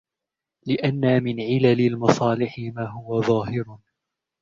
لِأَنَّ مِنْ عِلَلِ الْمَصَالِحِ مَا هُوَ ظَاهِرٌ